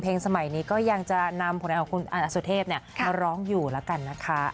สมัยนี้ก็ยังจะนำผลงานของคุณอสุเทพมาร้องอยู่แล้วกันนะคะ